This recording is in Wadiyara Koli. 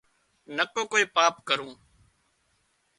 نڪو ڪوئي پاپ ڪرون